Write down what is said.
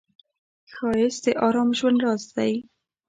ښایست د آرام ژوند راز دی